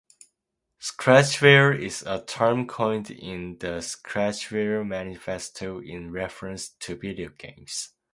Scratchware is a term coined in the Scratchware Manifesto in reference to video games.